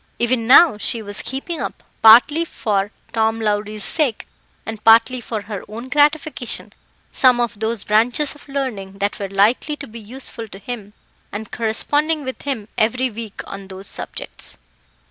Even now she was keeping up, partly for Tom Lowrie's sake, and partly for her own gratification, some of those branches of learning that were likely to be useful to him, and corresponding with him every week on those subjects.